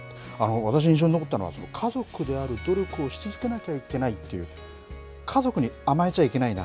私、印象に残ったのは家族である努力をし続けなければいけない家族に甘えちゃいけないな。